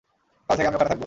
কাল থেকে আমি ওখানে থাকব।